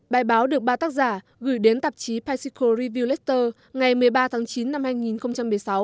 bài báo được ba tác giả gửi đến tạp chí pesico review letter ngày một mươi ba tháng chín năm hai nghìn một mươi sáu